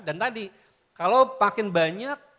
dan tadi kalau makin banyak